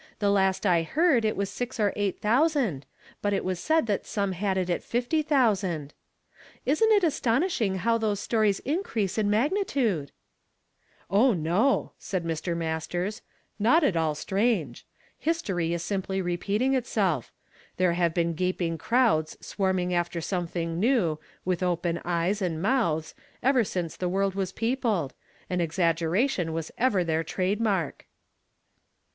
The last I heard it was six or eight thousand; but it was said that some had it fifty thousand. Isn't it L^OO VHSTHIIDAV FIIAMKD IN TO DAY. Mh astonishing how tliose stories increase in mag nitude?" ^ ''Oh, no," said Mr. Musters, "not at all strange ; history is simply repeating itself. There have been gaping erowds swarming after some thmg new, with open eyes and mouths, ever since the world was peopled; an exaggeration was ever their trade mark."